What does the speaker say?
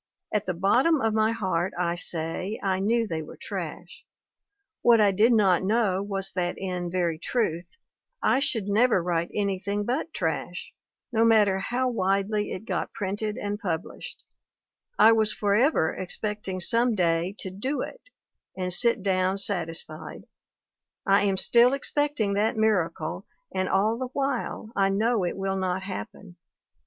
At the bottom of my heart, I say, I knew they were trash. What I did not know was that, in very truth, I should never write anything but trash, no matter how widely it got printed and published; I was forever expecting some day to 'do it' and sit down satisfied; I am still expecting that miracle and all the while I know it will not happen.